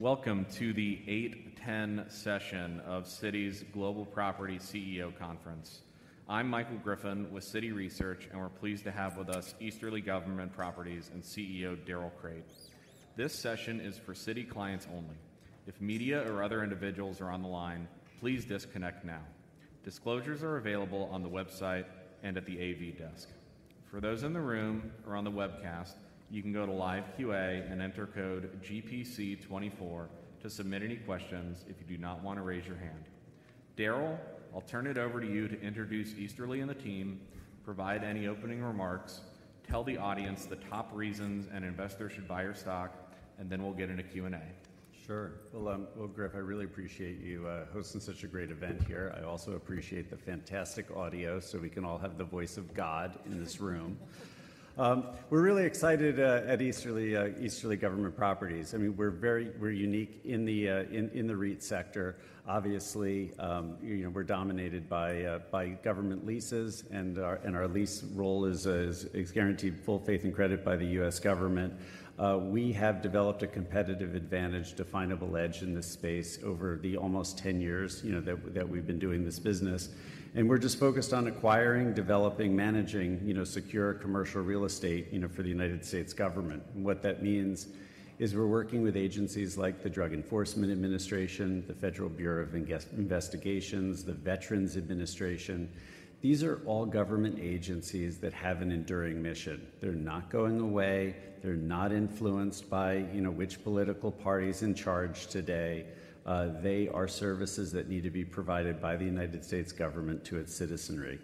Welcome to the 8:10 A.M. session of Citi's Global Property CEO Conference. I'm Michael Griffin with Citi Research, and we're pleased to have with us Easterly Government Properties and CEO Darrell Crate. This session is for Citi clients only. If media or other individuals are on the line, please disconnect now. Disclosures are available on the website and at the AV desk. For those in the room or on the webcast, you can go to Live Q&A and enter code GPC24 to submit any questions if you do not want to raise your hand. Darrell, I'll turn it over to you to introduce Easterly and the team, provide any opening remarks, tell the audience the top reasons an investor should buy your stock, and then we'll get into Q&A. Sure. Well, Griff, I really appreciate you hosting such a great event here. I also appreciate the fantastic audio so we can all have the voice of God in this room. We're really excited at Easterly Government Properties. I mean, we're unique in the REIT sector. Obviously, we're dominated by government leases, and our leases are guaranteed full faith and credit by the U.S. government. We have developed a competitive advantage, definable edge in this space over the almost 10 years that we've been doing this business. And we're just focused on acquiring, developing, managing secure commercial real estate for the United States government. And what that means is we're working with agencies like the Drug Enforcement Administration, the Federal Bureau of Investigation, the Veterans Administration. These are all government agencies that have an enduring mission. They're not going away. They're not influenced by which political party is in charge today. They are services that need to be provided by the United States government to its citizenry.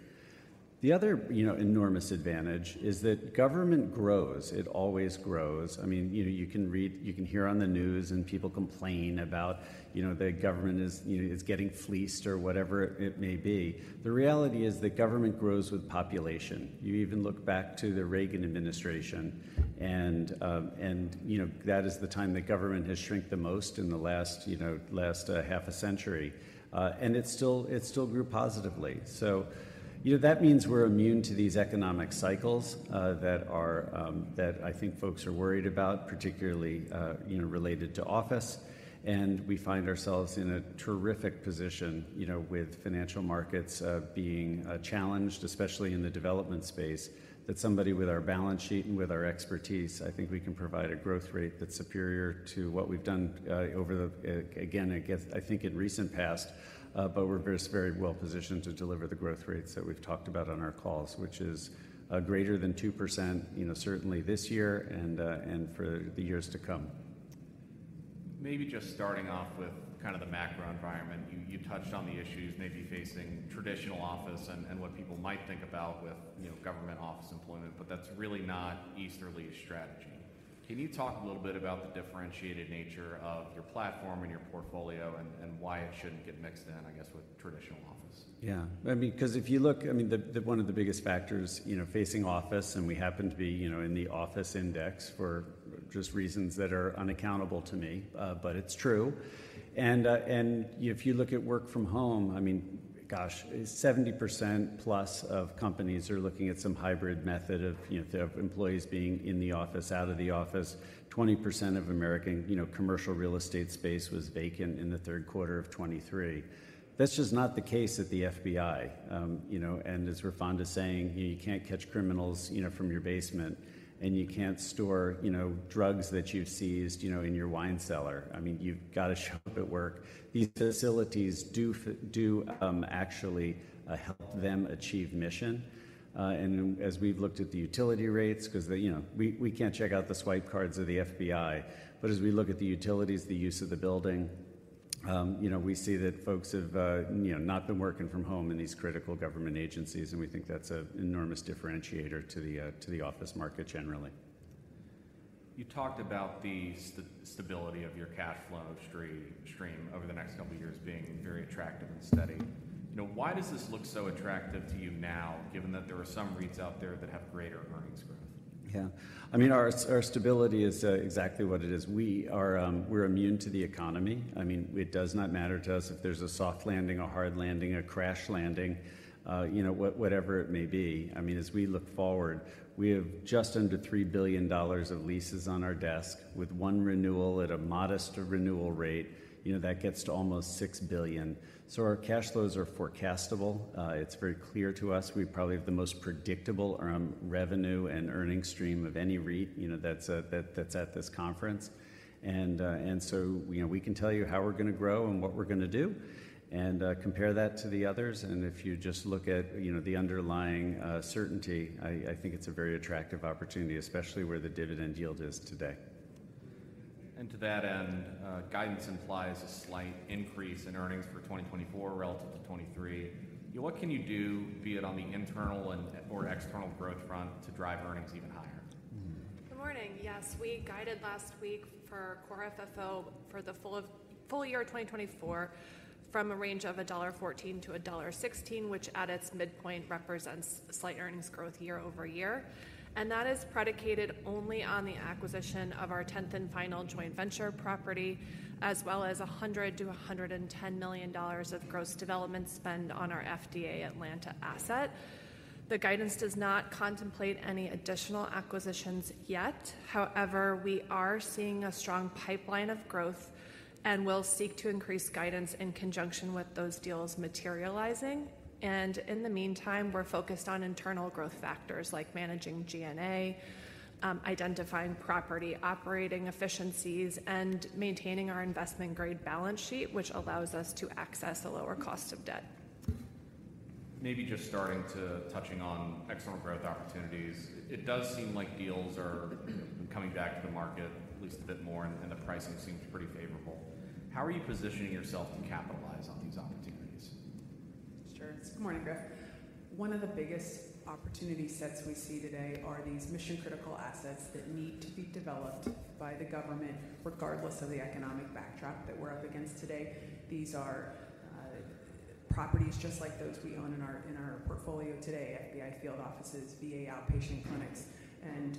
The other enormous advantage is that government grows. It always grows. I mean, you can hear on the news and people complain about the government is getting fleeced or whatever it may be. The reality is that government grows with population. You even look back to the Reagan administration, and that is the time that government has shrinked the most in the last half a century. And it still grew positively. So that means we're immune to these economic cycles that I think folks are worried about, particularly related to office. We find ourselves in a terrific position with financial markets being challenged, especially in the development space, that somebody with our balance sheet and with our expertise, I think we can provide a growth rate that's superior to what we've done over the again, I think, in recent past, but we're just very well positioned to deliver the growth rates that we've talked about on our calls, which is greater than 2% certainly this year and for the years to come. Maybe just starting off with kind of the macro environment. You touched on the issues maybe facing traditional office and what people might think about with government office employment, but that's really not Easterly's strategy. Can you talk a little bit about the differentiated nature of your platform and your portfolio and why it shouldn't get mixed in, I guess, with traditional office? Yeah. I mean, because if you look, I mean, one of the biggest factors facing office, and we happen to be in the office index for just reasons that are unaccountable to me, but it's true. And if you look at work from home, I mean, gosh, 70% plus of companies are looking at some hybrid method of if they have employees being in the office, out of the office. 20% of American commercial real estate space was vacant in the third quarter of 2023. That's just not the case at the FBI. And as Wray is fond of is saying, you can't catch criminals from your basement, and you can't store drugs that you've seized in your wine cellar. I mean, you've got to show up at work. These facilities do actually help them achieve mission. As we've looked at the utility rates because we can't check out the swipe cards of the FBI, but as we look at the utilities, the use of the building, we see that folks have not been working from home in these critical government agencies. We think that's an enormous differentiator to the office market generally. You talked about the stability of your cash flow stream over the next couple of years being very attractive and steady. Why does this look so attractive to you now, given that there are some REITs out there that have greater earnings growth? Yeah. I mean, our stability is exactly what it is. We're immune to the economy. I mean, it does not matter to us if there's a soft landing, a hard landing, a crash landing, whatever it may be. I mean, as we look forward, we have just under $3 billion of leases on our desk. With one renewal at a modest renewal rate, that gets to almost $6 billion. So our cash flows are forecastable. It's very clear to us. We probably have the most predictable revenue and earnings stream of any REIT that's at this conference. And so we can tell you how we're going to grow and what we're going to do and compare that to the others. And if you just look at the underlying certainty, I think it's a very attractive opportunity, especially where the dividend yield is today. To that end, guidance implies a slight increase in earnings for 2024 relative to 2023. What can you do, be it on the internal or external growth front, to drive earnings even higher? Good morning. Yes, we guided last week for Core FFO for the full year of 2024 from a range of $1.14-$1.16, which at its midpoint represents slight earnings growth year-over-year. That is predicated only on the acquisition of our 10th and final joint venture property, as well as $100 million to $110 million of gross development spend on our FDA Atlanta asset. The guidance does not contemplate any additional acquisitions yet. However, we are seeing a strong pipeline of growth and will seek to increase guidance in conjunction with those deals materializing. In the meantime, we're focused on internal growth factors like managing G&A, identifying property operating efficiencies, and maintaining our investment-grade balance sheet, which allows us to access a lower cost of debt. Maybe just starting to touch on external growth opportunities. It does seem like deals are coming back to the market at least a bit more, and the pricing seems pretty favorable. How are you positioning yourself to capitalize on these opportunities? Sure. Good morning, Griff. One of the biggest opportunity sets we see today are these mission-critical assets that need to be developed by the government regardless of the economic backdrop that we're up against today. These are properties just like those we own in our portfolio today: FBI field offices, VA outpatient clinics. And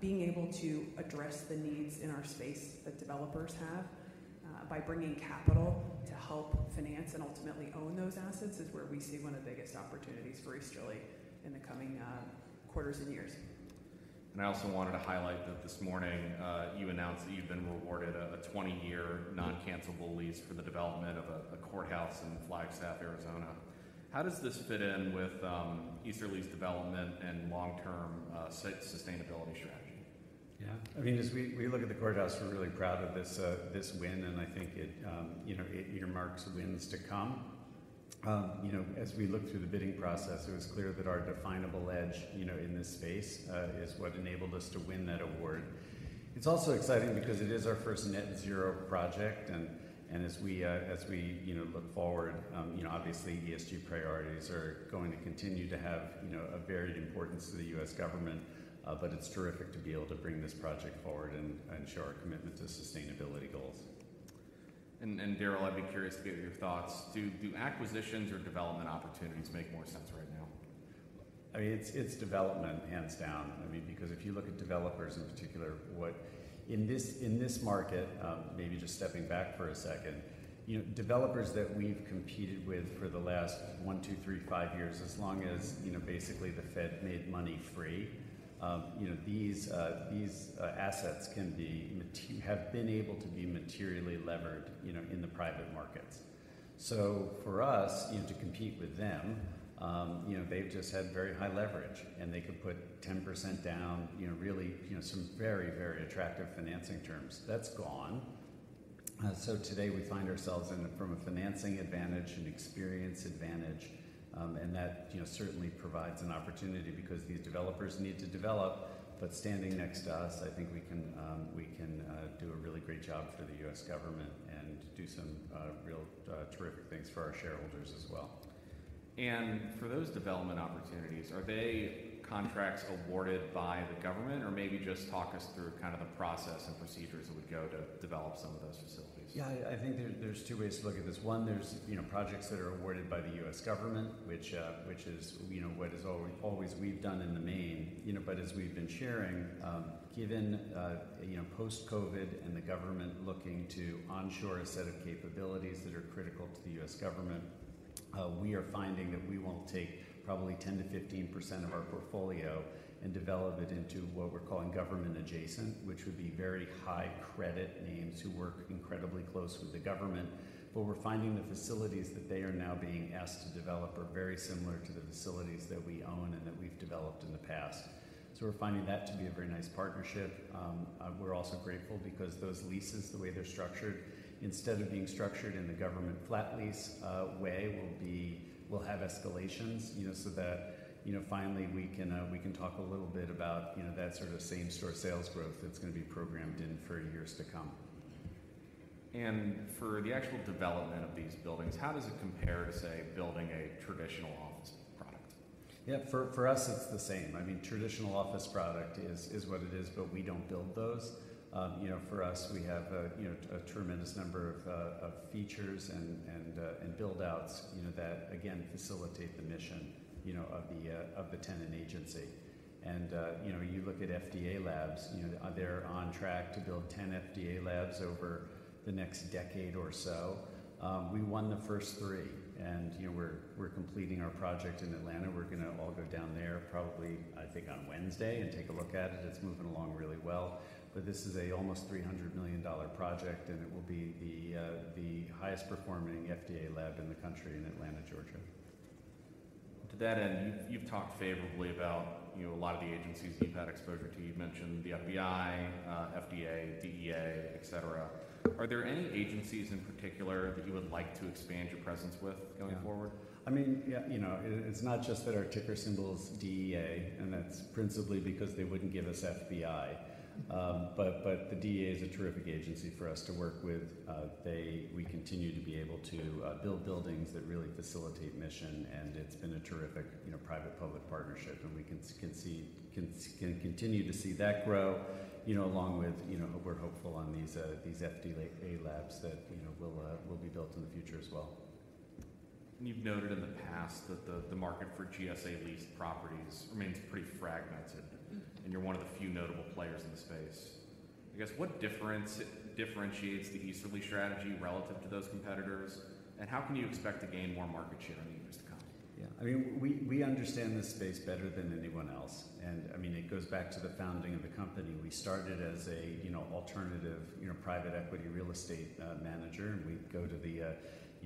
being able to address the needs in our space that developers have by bringing capital to help finance and ultimately own those assets is where we see one of the biggest opportunities for Easterly in the coming quarters and years. I also wanted to highlight that this morning you announced that you've been rewarded a 20-year non-cancelable lease for the development of a courthouse in Flagstaff, Arizona. How does this fit in with Easterly's development and long-term sustainability strategy? Yeah. I mean, as we look at the courthouse, we're really proud of this win, and I think it earmarks wins to come. As we look through the bidding process, it was clear that our definable edge in this space is what enabled us to win that award. It's also exciting because it is our first Net-Zero project. And as we look forward, obviously, ESG priorities are going to continue to have a varied importance to the U.S. government, but it's terrific to be able to bring this project forward and show our commitment to sustainability goals. Darrell, I'd be curious to get your thoughts. Do acquisitions or development opportunities make more sense right now? I mean, it's development, hands down. I mean, because if you look at developers in particular, what in this market, maybe just stepping back for a second, developers that we've competed with for the last 1, 2, 3, 5 years, as long as basically the Fed made money free, these assets have been able to be materially levered in the private markets. So for us to compete with them, they've just had very high leverage, and they could put 10% down, really some very, very attractive financing terms. That's gone. So today we find ourselves in from a financing advantage and experience advantage. And that certainly provides an opportunity because these developers need to develop. But standing next to us, I think we can do a really great job for the U.S. government and do some real terrific things for our shareholders as well. For those development opportunities, are they contracts awarded by the government, or maybe just talk us through kind of the process and procedures it would go to develop some of those facilities? Yeah. I think there's two ways to look at this. One, there's projects that are awarded by the U.S. government, which is what has always we've done in the main. But as we've been sharing, given post-COVID and the government looking to onshore a set of capabilities that are critical to the U.S. government, we are finding that we won't take probably 10%-15% of our portfolio and develop it into what we're calling government-adjacent, which would be very high-credit names who work incredibly close with the government. But we're finding the facilities that they are now being asked to develop are very similar to the facilities that we own and that we've developed in the past. So we're finding that to be a very nice partnership. We're also grateful because those leases, the way they're structured, instead of being structured in the government flat-lease way, we'll have escalations so that finally we can talk a little bit about that sort of same-store sales growth that's going to be programmed in for years to come. For the actual development of these buildings, how does it compare to, say, building a traditional office product? Yeah. For us, it's the same. I mean, traditional office product is what it is, but we don't build those. For us, we have a tremendous number of features and build-outs that, again, facilitate the mission of the tenant agency. And you look at FDA labs. They're on track to build 10 FDA labs over the next decade or so. We won the first three, and we're completing our project in Atlanta. We're going to all go down there probably, I think, on Wednesday and take a look at it. It's moving along really well. But this is an almost $300 million project, and it will be the highest-performing FDA lab in the country in Atlanta, Georgia. To that end, you've talked favorably about a lot of the agencies you've had exposure to. You've mentioned the FBI, FDA, DEA, et cetera. Are there any agencies in particular that you would like to expand your presence with going forward? Yeah. I mean, it's not just that our ticker symbol is DEA, and that's principally because they wouldn't give us FBI. But the DEA is a terrific agency for us to work with. We continue to be able to build buildings that really facilitate mission, and it's been a terrific private-public partnership. And we can continue to see that grow along with we're hopeful on these FDA labs that will be built in the future as well. You've noted in the past that the market for GSA-leased properties remains pretty fragmented, and you're one of the few notable players in the space. I guess, what differentiates the Easterly strategy relative to those competitors, and how can you expect to gain more market share in the years to come? Yeah. I mean, we understand this space better than anyone else. I mean, it goes back to the founding of the company. We started as an alternative private equity real estate manager, and we'd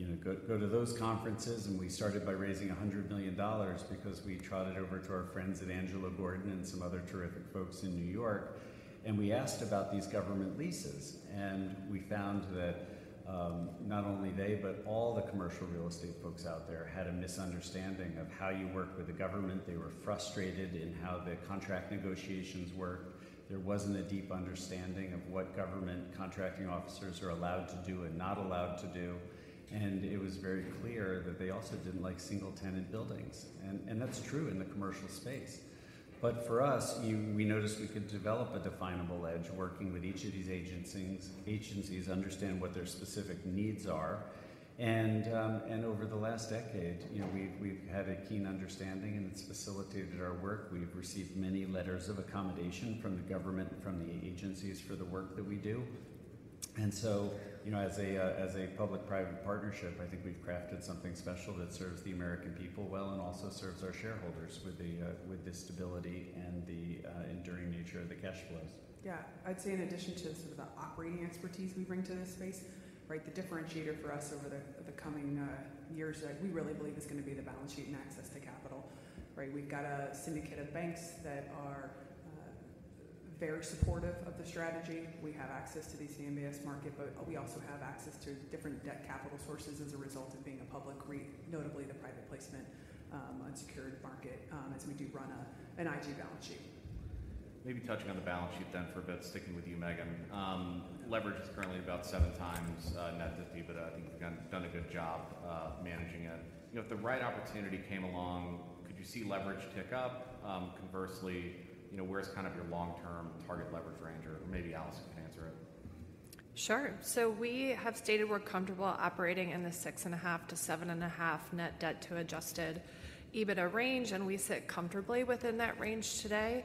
go to those conferences. We started by raising $100 million because we trotted over to our friends at Angelo Gordon and some other terrific folks in New York. We asked about these government leases, and we found that not only they, but all the commercial real estate folks out there had a misunderstanding of how you work with the government. They were frustrated in how the contract negotiations worked. There wasn't a deep understanding of what government contracting officers are allowed to do and not allowed to do. It was very clear that they also didn't like single-tenant buildings. That's true in the commercial space. But for us, we noticed we could develop a definable edge working with each of these agencies, understand what their specific needs are. And over the last decade, we've had a keen understanding, and it's facilitated our work. We've received many letters of accommodation from the government and from the agencies for the work that we do. And so as a public-private partnership, I think we've crafted something special that serves the American people well and also serves our shareholders with the stability and the enduring nature of the cash flows. Yeah. I'd say in addition to sort of the operating expertise we bring to this space, right, the differentiator for us over the coming years that we really believe is going to be the balance sheet and access to capital, right, we've got a syndicate of banks that are very supportive of the strategy. We have access to the CMBS market, but we also have access to different debt capital sources as a result of being a public REIT, notably the private placement unsecured market, as we do run an IG balance sheet. Maybe touching on the balance sheet then for a bit, sticking with you, Meghan. Leverage is currently about seven times Net Debt to EBITDA, but I think you've done a good job managing it. If the right opportunity came along, could you see leverage tick up? Conversely, where's kind of your long-term target leverage range? Or maybe Allison can answer it? Sure. So we have stated we're comfortable operating in the 6.5-7.5 net debt to adjusted EBITDA range, and we sit comfortably within that range today.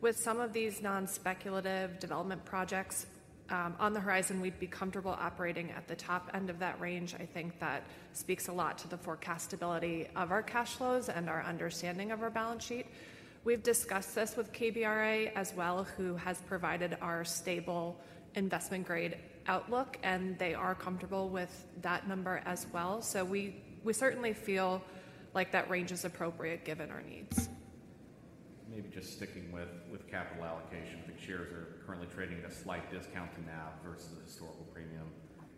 With some of these non-speculative development projects on the horizon, we'd be comfortable operating at the top end of that range. I think that speaks a lot to the forecastability of our cash flows and our understanding of our balance sheet. We've discussed this with KBRA as well, who has provided our stable investment-grade outlook, and they are comfortable with that number as well. So we certainly feel like that range is appropriate given our needs. Maybe just sticking with capital allocation. I think shares are currently trading at a slight discount to NAV versus the historical premium.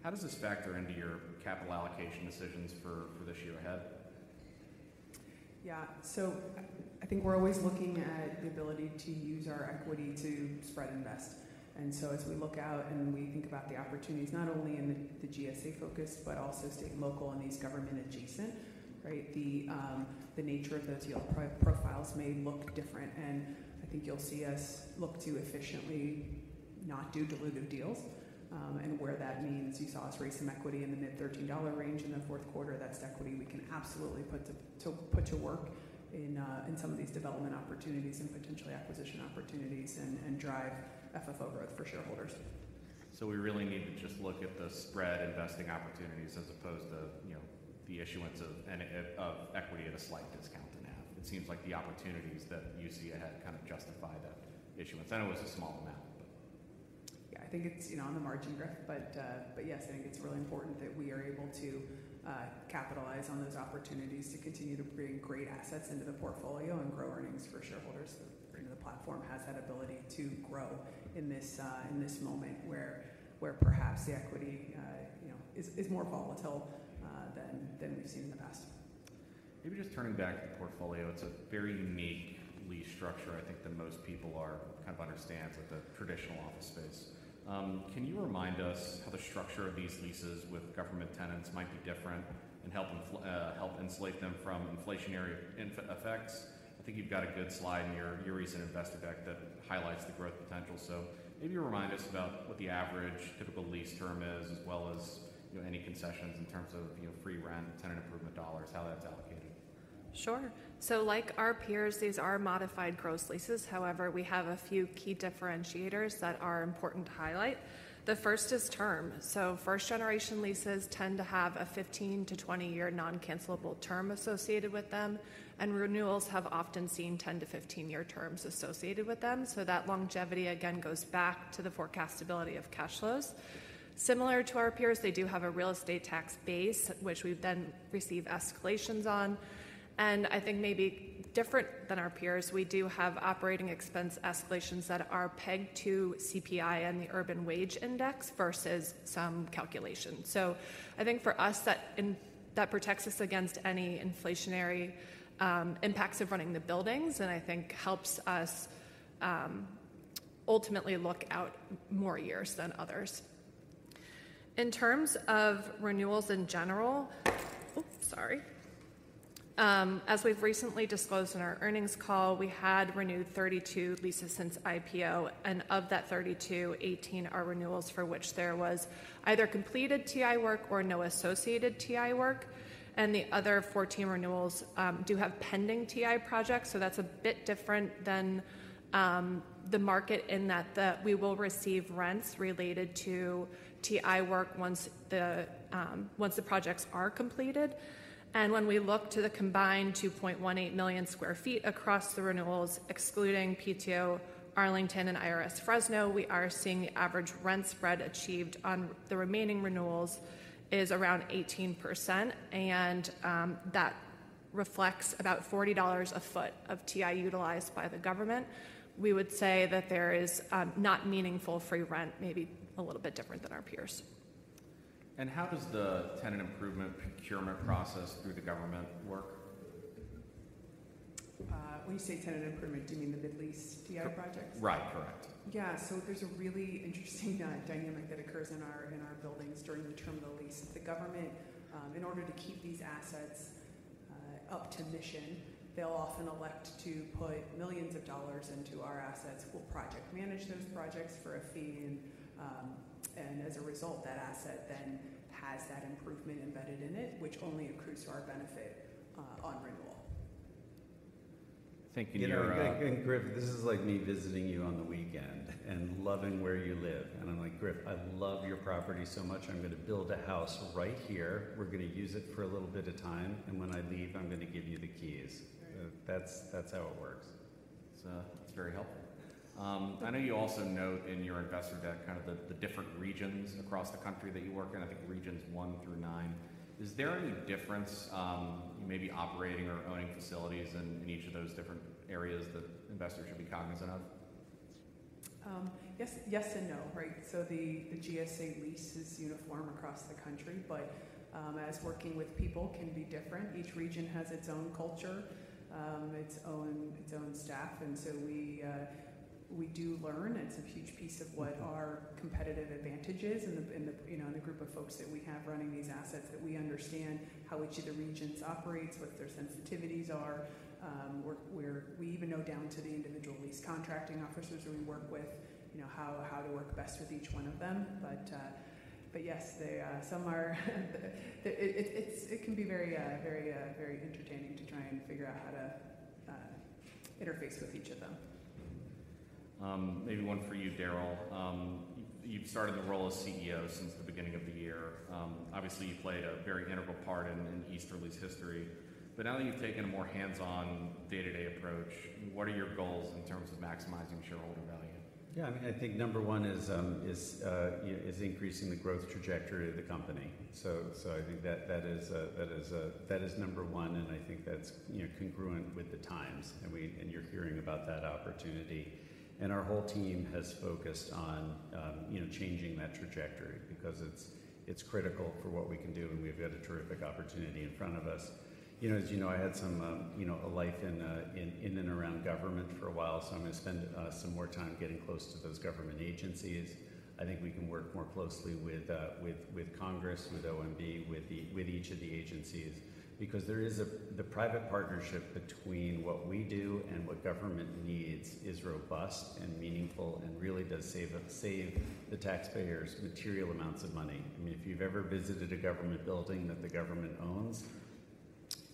How does this factor into your capital allocation decisions for this year ahead? Yeah. So I think we're always looking at the ability to use our equity to spread and invest. And so as we look out and we think about the opportunities, not only in the GSA-focused but also state and local and these government-adjacent, right, the nature of those yield profiles may look different. And I think you'll see us look to efficiently not do dilutive deals. And where that means you saw us raise some equity in the mid-$13 range in the fourth quarter, that's equity we can absolutely put to work in some of these development opportunities and potentially acquisition opportunities and drive FFO growth for shareholders. We really need to just look at the spread investing opportunities as opposed to the issuance of equity at a slight discount to NAV. It seems like the opportunities that you see ahead kind of justify that issuance. I know it was a small amount, but. Yeah. I think it's on the margin, Griff. But yes, I think it's really important that we are able to capitalize on those opportunities to continue to bring great assets into the portfolio and grow earnings for shareholders. I mean, the platform has that ability to grow in this moment where perhaps the equity is more volatile than we've seen in the past. Maybe just turning back to the portfolio, it's a very unique lease structure I think that most people kind of understand with the traditional office space. Can you remind us how the structure of these leases with government tenants might be different and help insulate them from inflationary effects? I think you've got a good slide in your recent Investor Deck that highlights the growth potential. So maybe remind us about what the average typical lease term is as well as any concessions in terms of free rent, tenant improvement dollars, how that's allocated. Sure. So like our peers, these are modified gross leases. However, we have a few key differentiators that are important to highlight. The first is term. So first-generation leases tend to have a 15-20-year non-cancelable term associated with them, and renewals have often seen 10-15-year terms associated with them. So that longevity, again, goes back to the forecastability of cash flows. Similar to our peers, they do have a real estate tax base, which we've then received escalations on. And I think maybe different than our peers, we do have operating expense escalations that are pegged to CPI and the Urban Wage Index versus some calculations. So I think for us, that protects us against any inflationary impacts of running the buildings and I think helps us ultimately look out more years than others. In terms of renewals in general oops, sorry. As we've recently disclosed in our earnings call, we had renewed 32 leases since IPO, and of that 32, 18 are renewals for which there was either completed TI work or no associated TI work. And the other 14 renewals do have pending TI projects. So that's a bit different than the market in that we will receive rents related to TI work once the projects are completed. And when we look to the combined 2.18 million sq ft across the renewals, excluding PTO Arlington and IRS Fresno, we are seeing the average rent spread achieved on the remaining renewals is around 18%. And that reflects about $40 a foot of TI utilized by the government. We would say that there is not meaningful free rent, maybe a little bit different than our peers. How does the tenant improvement procurement process through the government work? When you say tenant improvement, do you mean the mid-lease TI projects? Right. Correct. Yeah. So there's a really interesting dynamic that occurs in our buildings during the term of the lease. The government, in order to keep these assets up to mission, they'll often elect to put $ millions into our assets. We'll project-manage those projects for a fee, and as a result, that asset then has that improvement embedded in it, which only accrues to our benefit on renewal. Thank you, Meghan. And Griff, this is like me visiting you on the weekend and loving where you live. And I'm like, "Griff, I love your property so much. I'm going to build a house right here. We're going to use it for a little bit of time, and when I leave, I'm going to give you the keys." That's how it works. So that's very helpful. I know you also note in your investor deck kind of the different regions across the country that you work in, I think regions one through nine. Is there any difference, maybe operating or owning facilities in each of those different areas that investors should be cognizant of? Yes and no, right? So the GSA lease is uniform across the country, but as working with people can be different. Each region has its own culture, its own staff. And so we do learn. It's a huge piece of what our competitive advantage is in the group of folks that we have running these assets, that we understand how each of the regions operates, what their sensitivities are. We even know down to the individual lease contracting officers that we work with how to work best with each one of them. But yes, some are it can be very, very entertaining to try and figure out how to interface with each of them. Maybe one for you, Darrell. You've started the role as CEO since the beginning of the year. Obviously, you've played a very integral part in Easterly's history. But now that you've taken a more hands-on, day-to-day approach, what are your goals in terms of maximizing shareholder value? Yeah. I mean, I think number one is increasing the growth trajectory of the company. So I think that is number one, and I think that's congruent with the times. And you're hearing about that opportunity. And our whole team has focused on changing that trajectory because it's critical for what we can do, and we've got a terrific opportunity in front of us. As you know, I had some life in and around government for a while, so I'm going to spend some more time getting close to those government agencies. I think we can work more closely with Congress, with OMB, with each of the agencies because the private partnership between what we do and what government needs is robust and meaningful and really does save the taxpayers material amounts of money. I mean, if you've ever visited a government building that the government owns,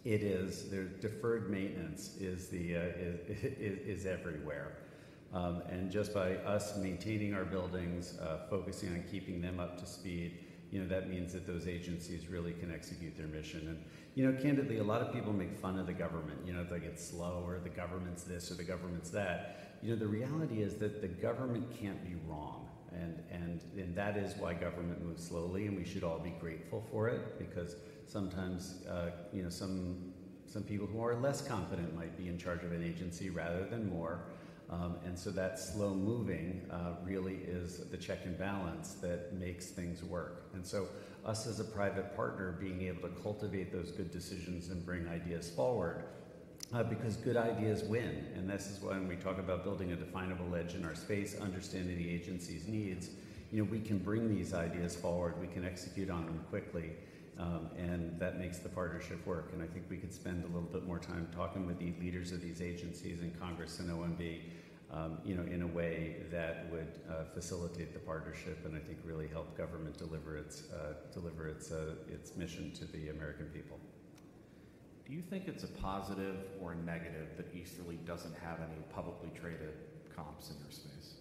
deferred maintenance is everywhere. And just by us maintaining our buildings, focusing on keeping them up to speed, that means that those agencies really can execute their mission. And candidly, a lot of people make fun of the government. They're like, "It's slow," or, "The government's this," or, "The government's that." The reality is that the government can't be wrong, and that is why government moves slowly, and we should all be grateful for it because sometimes some people who are less confident might be in charge of an agency rather than more. And so that slow moving really is the check and balance that makes things work. And so us as a private partner, being able to cultivate those good decisions and bring ideas forward because good ideas win. This is why when we talk about building a definable edge in our space, understanding the agency's needs, we can bring these ideas forward. We can execute on them quickly, and that makes the partnership work. I think we could spend a little bit more time talking with the leaders of these agencies and Congress and OMB in a way that would facilitate the partnership and I think really help government deliver its mission to the American people. Do you think it's a positive or a negative that Easterly doesn't have any publicly traded comps in your space?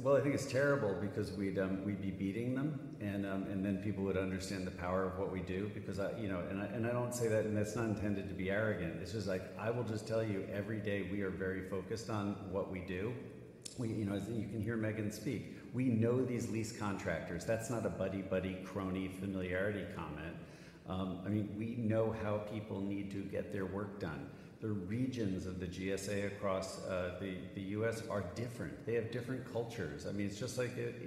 Well, I think it's terrible because we'd be beating them, and then people would understand the power of what we do because and I don't say that, and that's not intended to be arrogant. It's just like, "I will just tell you, every day we are very focused on what we do." As you can hear Meghan speak, we know these lease contractors. That's not a buddy-buddy crony familiarity comment. I mean, we know how people need to get their work done. The regions of the GSA across the U.S. are different. They have different cultures. I mean, it's just like at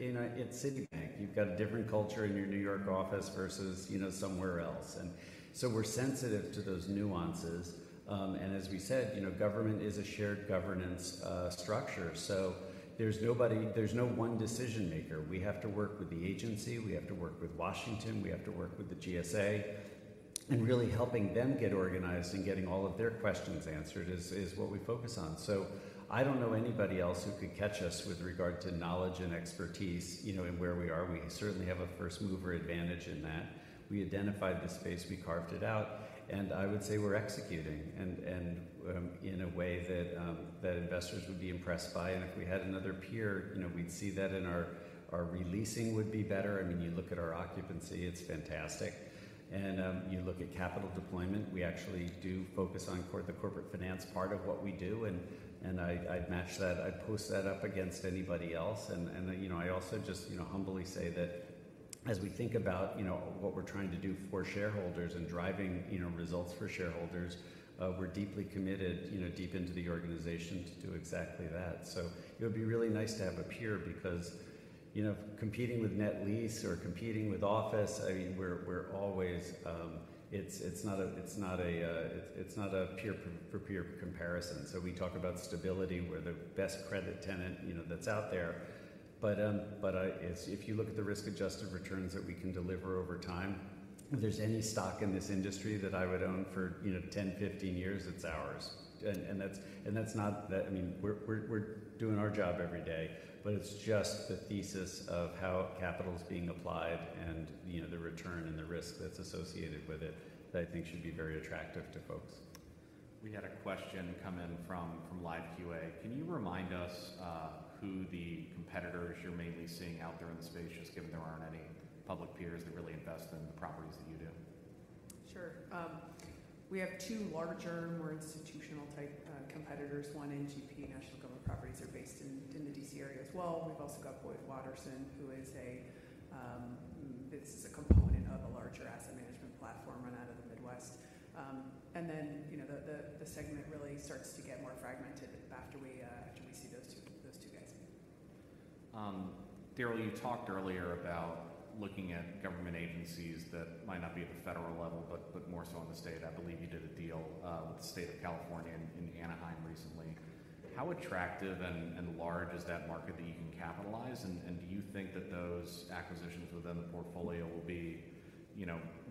Citibank. You've got a different culture in your New York office versus somewhere else. And so we're sensitive to those nuances. And as we said, government is a shared governance structure. So there's no one decision maker. We have to work with the agency. We have to work with Washington. We have to work with the GSA. And really helping them get organized and getting all of their questions answered is what we focus on. So I don't know anybody else who could catch us with regard to knowledge and expertise in where we are. We certainly have a first-mover advantage in that. We identified the space. We carved it out. And I would say we're executing in a way that investors would be impressed by. And if we had another peer, we'd see that in our re-leasing would be better. I mean, you look at our occupancy. It's fantastic. And you look at capital deployment. We actually do focus on the corporate finance part of what we do, and I'd match that. I'd post that up against anybody else. I also just humbly say that as we think about what we're trying to do for shareholders and driving results for shareholders, we're deeply committed, deep into the organization, to do exactly that. So it would be really nice to have a peer because competing with Net Lease or competing with Office, I mean, we're always, it's not a peer-for-peer comparison. So we talk about stability, where the best credit tenant that's out there. But if you look at the risk-adjusted returns that we can deliver over time, if there's any stock in this industry that I would own for 10, 15 years, it's ours. And that's not that I mean, we're doing our job every day, but it's just the thesis of how capital's being applied and the return and the risk that's associated with it that I think should be very attractive to folks. We had a question come in from live QA. Can you remind us who the competitors you're mainly seeing out there in the space, just given there aren't any public peers that really invest in the properties that you do? Sure. We have two larger, more institutional-type competitors. One NGP, National Government Properties, are based in the D.C. area as well. We've also got Boyd Watterson, who is. This is a component of a larger asset management platform run out of the Midwest. Then the segment really starts to get more fragmented after we see those two guys. Darrell, you talked earlier about looking at government agencies that might not be at the federal level but more so on the state. I believe you did a deal with the state of California in Anaheim recently. How attractive and large is that market that you can capitalize? And do you think that those acquisitions within the portfolio will be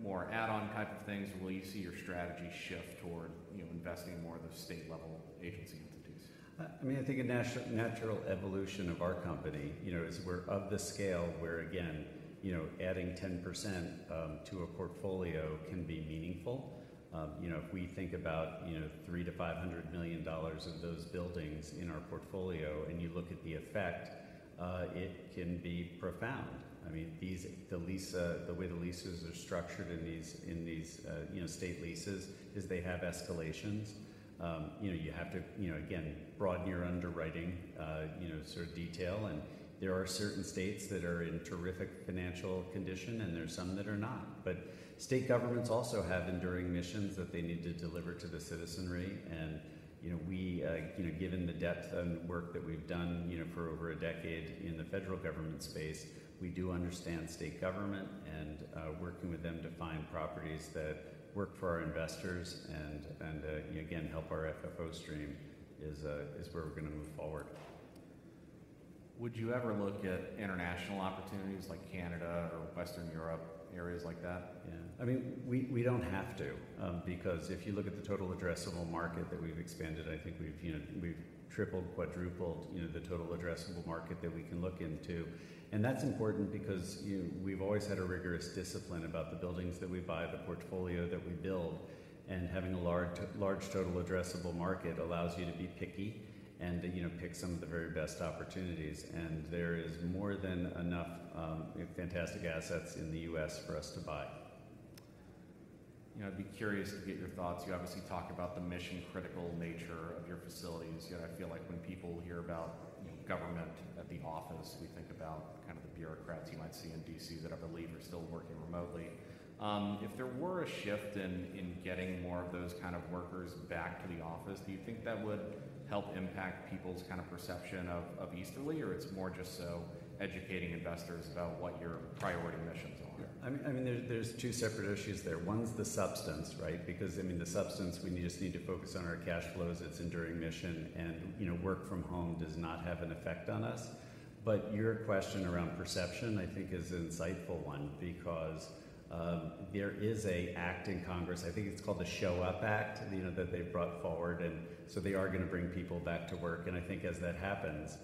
more add-on type of things, or will you see your strategy shift toward investing in more of those state-level agency entities? I mean, I think a natural evolution of our company is we're of the scale where, again, adding 10% to a portfolio can be meaningful. If we think about $300 million to $500 million of those buildings in our portfolio and you look at the effect, it can be profound. I mean, the way the leases are structured in these state leases is they have escalations. You have to, again, broaden your underwriting sort of detail. And there are certain states that are in terrific financial condition, and there's some that are not. But state governments also have enduring missions that they need to deliver to the citizenry. We, given the depth and work that we've done for over a decade in the federal government space, do understand state government and working with them to find properties that work for our investors and, again, help our FFO stream is where we're going to move forward. Would you ever look at international opportunities like Canada or Western Europe, areas like that? Yeah. I mean, we don't have to because if you look at the total addressable market that we've expanded, I think we've tripled, quadrupled the total addressable market that we can look into. And that's important because we've always had a rigorous discipline about the buildings that we buy, the portfolio that we build. And having a large total addressable market allows you to be picky and pick some of the very best opportunities. And there is more than enough fantastic assets in the U.S. for us to buy. I'd be curious to get your thoughts. You obviously talk about the mission-critical nature of your facilities. Yet I feel like when people hear about government at the office, we think about kind of the bureaucrats you might see in D.C. that I believe are still working remotely. If there were a shift in getting more of those kind of workers back to the office, do you think that would help impact people's kind of perception of Easterly, or it's more just so educating investors about what your priority missions are? Yeah. I mean, there's two separate issues there. One's the substance, right? Because, I mean, the substance, we just need to focus on our cash flows. It's enduring mission. And work from home does not have an effect on us. But your question around perception, I think, is an insightful one because there is an act in Congress. I think it's called the Show Up Act that they've brought forward. And so they are going to bring people back to work. And I think as that happens,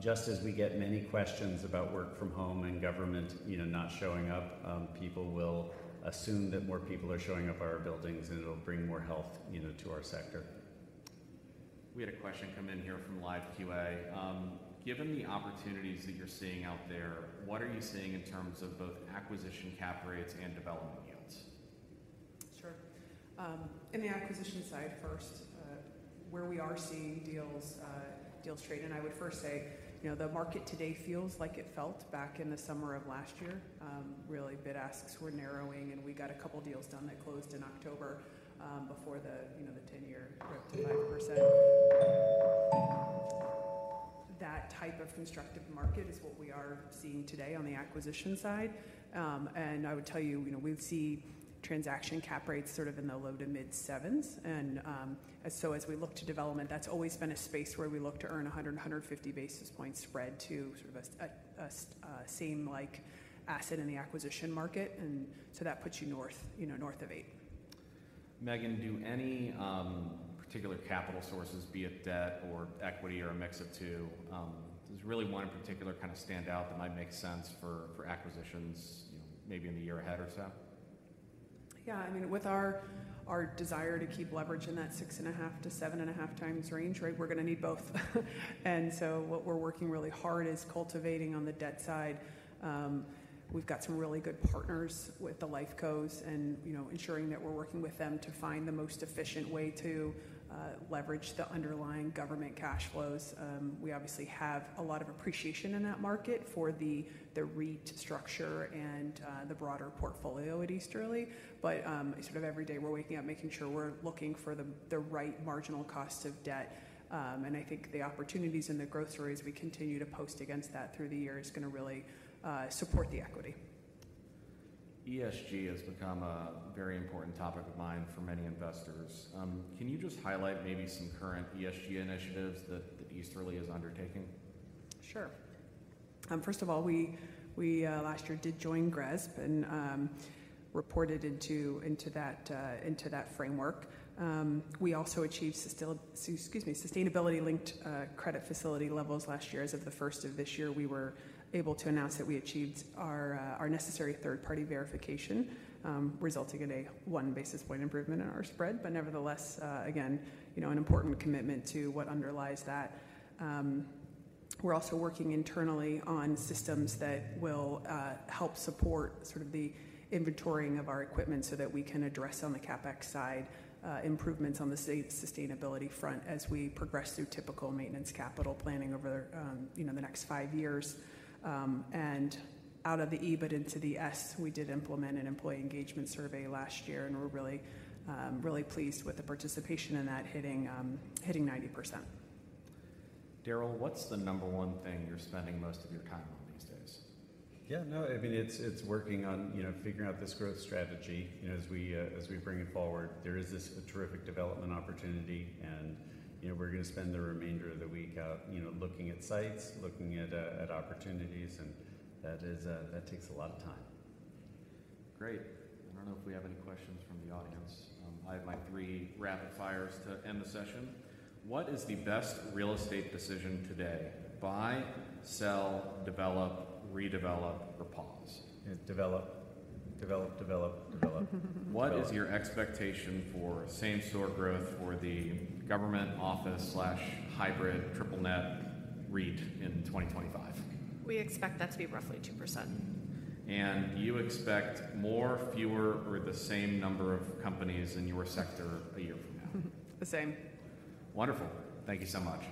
just as we get many questions about work from home and government not showing up, people will assume that more people are showing up at our buildings, and it'll bring more health to our sector. We had a question come in here from live QA. Given the opportunities that you're seeing out there, what are you seeing in terms of both acquisition cap rates and development yields? Sure. In the acquisition side first, where we are seeing deals trade, and I would first say the market today feels like it felt back in the summer of last year. Really, bid asks were narrowing, and we got a couple of deals done that closed in October before the 10-year rip to 5%. That type of constructive market is what we are seeing today on the acquisition side. And I would tell you, we see transaction cap rates sort of in the low to mid-sevens. And so as we look to development, that's always been a space where we look to earn 100-150 basis points spread to sort of a same-like asset in the acquisition market. And so that puts you north of 8. Meghan, do any particular capital sources, be it debt or equity or a mix of two, does really one in particular kind of stand out that might make sense for acquisitions maybe in the year ahead or so? Yeah. I mean, with our desire to keep leverage in that 6.5-7.5 times range, right, we're going to need both. And so what we're working really hard is cultivating on the debt side. We've got some really good partners with the LifeCos and ensuring that we're working with them to find the most efficient way to leverage the underlying government cash flows. We obviously have a lot of appreciation in that market for the REIT structure and the broader portfolio at Easterly. But sort of every day, we're waking up making sure we're looking for the right marginal costs of debt. And I think the opportunities and the growth stories we continue to post against that through the year is going to really support the equity. ESG has become a very important topic of mind for many investors. Can you just highlight maybe some current ESG initiatives that Easterly is undertaking? Sure. First of all, last year, we did join GRESB and reported into that framework. We also achieved, excuse me, sustainability-linked credit facility levels last year. As of the 1st of this year, we were able to announce that we achieved our necessary third-party verification, resulting in a one basis point improvement in our spread. But nevertheless, again, an important commitment to what underlies that. We're also working internally on systems that will help support sort of the inventorying of our equipment so that we can address, on the CapEx side, improvements on the state's sustainability front as we progress through typical maintenance capital planning over the next five years. And out of the E, but into the S, we did implement an employee engagement survey last year, and we're really, really pleased with the participation in that hitting 90%. Darrell, what's the number one thing you're spending most of your time on these days? Yeah. No. I mean, it's working on figuring out this growth strategy. As we bring it forward, there is this terrific development opportunity, and we're going to spend the remainder of the week out looking at sites, looking at opportunities, and that takes a lot of time. Great. I don't know if we have any questions from the audience. I have my three rapid fires to end the session. What is the best real estate decision today: buy, sell, develop, redevelop, or pause? Develop. Develop, develop, develop. What is your expectation for same-store growth for the government office/hybrid triple net REIT in 2025? We expect that to be roughly 2%. Do you expect more, fewer, or the same number of companies in your sector a year from now? The same. Wonderful. Thank you so much.